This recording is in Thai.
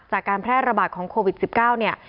จากการแพร่ระบาดของโควิด๑๙เนี่ย